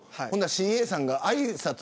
ＣＡさんのあいさつ